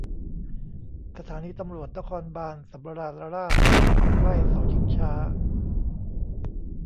สถานีตำรวจนครบาลสำราญราษฎร์ ใกล้เสาชิงช้า